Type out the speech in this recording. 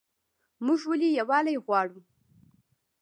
موږ ولې یووالی غواړو؟